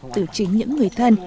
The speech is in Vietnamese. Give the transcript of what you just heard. từ chính những người thân